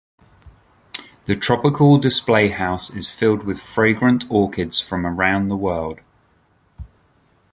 The Tropical Display House is filled with fragrant orchids from around the world.